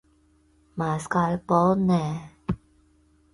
不去米蘭去宜蘭